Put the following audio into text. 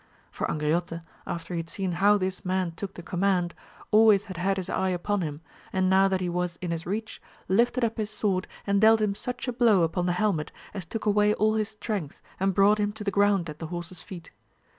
For Angriote, after AMADIS OF GAUL. 27;i he had seen how this man took the command, always had had his eye upon him, and now that he was in his xeachy Ufted up his sword and dealt him such a blow npon the helmet, as took away all his strength, and brought him to the ground at the horses feet.